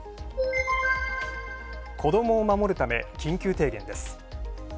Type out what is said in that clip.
子どもを守るため、緊急提言です。